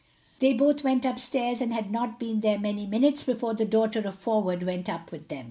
They both went up stairs, and had not been there many minutes before the daughter of Forward went up with them.